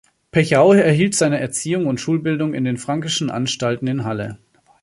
Pechau erhielt seine Erziehung und Schulbildung in den Franckeschen Anstalten in Halle.